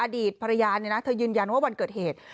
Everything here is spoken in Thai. อดีตภรรยาเนี่ยนะเธอยืนยันว่าวันเกิดเหตุ